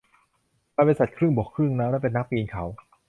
มันเป็นสัตว์ครึ่งบกครึ่งน้ำและเป็นนักปีนเขา